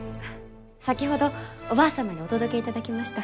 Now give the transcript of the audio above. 先ほどおばあ様にお届けいただきました。